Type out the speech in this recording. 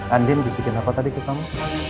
andi bisa ikut apa tadi ke kamu